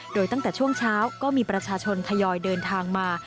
โดยตั้งแต่ช่วงเช้าก็มีประชาชนทยอยเดินทางมา